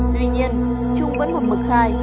tuy nhiên trung vẫn một mực khai